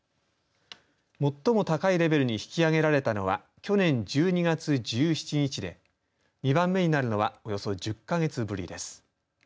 最も高いレベルに引き上げられたのは去年１２月１７日で２番目になるのはおよそ１０か月ぶりです。